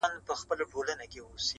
ه مړ يې که ژونديه ستا، ستا خبر نه راځي~